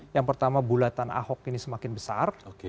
yang pertama bulatan ahok ini semakin besar